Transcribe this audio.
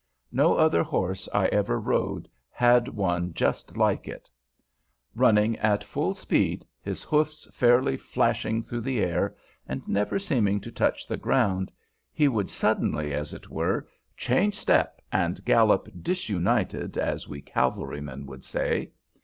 No other horse I ever rode had one just like it. Running at full speed, his hoofs fairly flashing through the air and never seeming to touch the ground, he would suddenly, as it were, "change step" and gallop "disunited," as we cavalrymen would say.